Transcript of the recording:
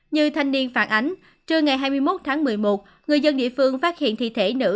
như thanh niên phản ánh trưa ngày hai mươi một tháng một mươi một người dân địa phương phát hiện thi thể nữ